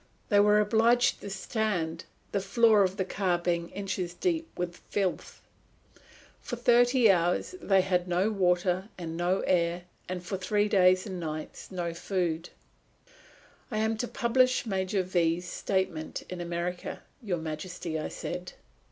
They were obliged to stand, the floor of the car being inches deep with filth. For thirty hours they had no water and no air, and for three days and three nights no food. "I am to publish Major V 's statement in America, Your Majesty," I said.